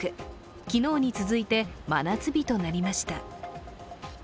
昨日に続いて真夏日となりました。